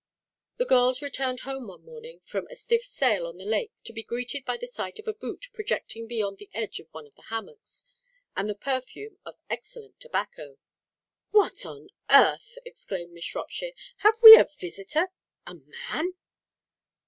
The girls returned home one morning from a stiff sail on the lake to be greeted by the sight of a boot projecting beyond the edge of one of the hammocks, and the perfume of excellent tobacco. "What on earth!" exclaimed Miss Shropshire. "Have we a visitor? a man?"